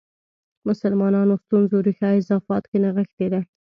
مسلمانانو ستونزو ریښه اضافات کې نغښې ده.